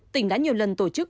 tỉnh đã nhiều lần tổ chức